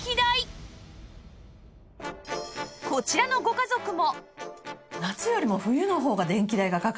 こちらのご家族も